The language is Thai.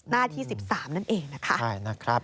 หน้าที่๑๓นั่นเองนะครับใช่นะครับ